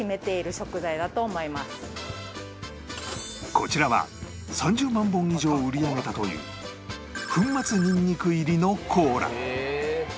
こちらは３０万本以上売り上げたという粉末ニンニク入りのコーラ